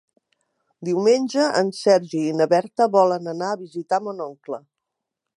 Diumenge en Sergi i na Berta volen anar a visitar mon oncle.